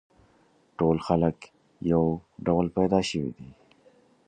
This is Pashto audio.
ټول خلک یو ډول پیدا شوي دي.